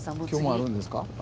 今日もあるんですか？